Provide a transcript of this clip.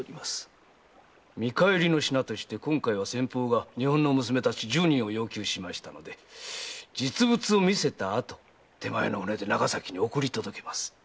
見返りの品として今回は先方が日本の娘たち十人を要求したので実物を見せたあと手前の船で長崎に送り届けます。